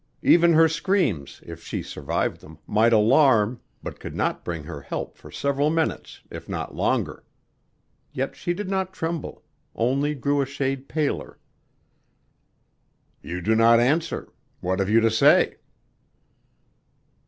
Even her screams, if she survived them, might alarm, but could not bring her help for several minutes, if not longer. Yet she did not tremble; only grew a shade paler. "You do not answer. What have you to say?"